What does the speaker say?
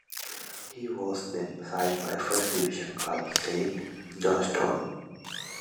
He was then signed by First Division club Saint Johnstone.